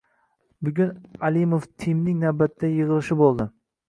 Bugun Alimoff Teamning navbatdagi yigʻilishi boʻldi.